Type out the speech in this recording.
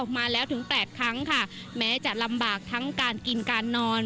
มาแล้วถึง๘ครั้งค่ะแม้จะลำบากทั้งการกินการนอน